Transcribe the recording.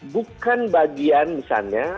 bukan bagian misalnya